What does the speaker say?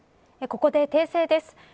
ここで訂正です。